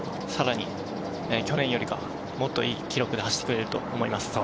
さらに去年よりもっと良い記録で走ってくれると思います。